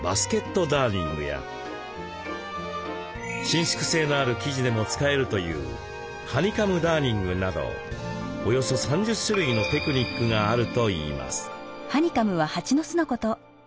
伸縮性のある生地でも使えるというハニカムダーニングなどおよそ３０種類のテクニックがあるといいます。